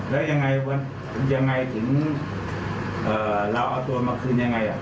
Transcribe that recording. แล้วยังไงวันถึงยังไงถึงเราเอาตัวมาคืนยังไง